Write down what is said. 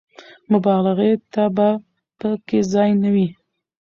مبالغې ته به په کې ځای نه وي.